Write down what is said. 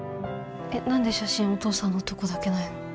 えっ何で写真お父さんのとこだけないの？